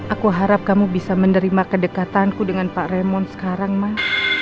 aku harap kamu bisa menerima kedekatanku dengan pak remon sekarang mas